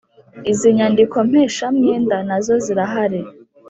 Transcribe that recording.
izindi nyandikompeshamwenda nazo zirahari